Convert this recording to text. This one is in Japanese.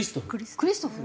クリストフル？